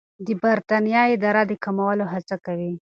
د بریتانیا اداره د کمولو هڅه کوي.